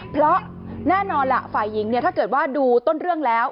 เพราะแน่นอนล่ะฝ่ายหญิงถ้าเกิดว่าดูต้นเรื่องแล้ว